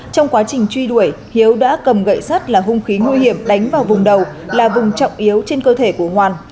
trong quá trình truy đuổi hiếu đã cầm gậy sắt là hung khí nguy hiểm đánh vào vùng đầu là vùng trọng yếu trên cơ thể của hoàn